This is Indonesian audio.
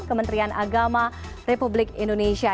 kementerian agama republik indonesia